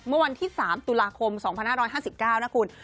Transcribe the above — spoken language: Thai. เมื่อวันที่๓ตุลาคม๒๕๕๙นะคุณ